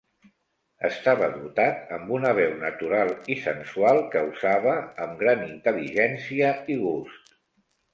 Estava dotat amb una veu natural i sensual que usava amb gran intel·ligència i gust.